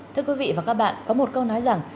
thưa quý vị và các bạn có một câu nói rằng